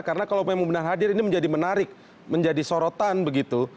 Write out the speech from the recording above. karena kalau memang benar hadir ini menjadi menarik menjadi sorotan begitu